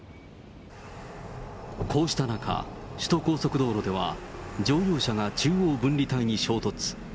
こうした中、首都高速道路では、乗用車が中央分離帯に衝突。